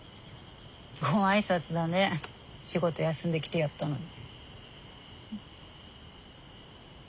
ご挨拶だね仕事休んで来てやったのに。